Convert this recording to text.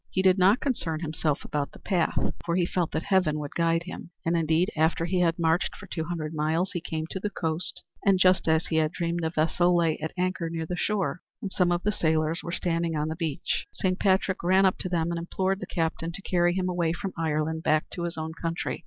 He did not concern himself about the path, for he felt that Heaven would guide him; and indeed after he had marched for two hundred miles, he came to the coast, and just as he had dreamed a vessel lay at anchor near the shore and some of the sailors were standing on the beach. Saint Patrick ran up to them and implored the captain to carry him away from Ireland back to his own country.